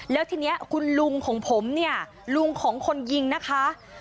แล้วทีนี้คุณลุงของผมเนี่ยลุงของคนยิงนะคะ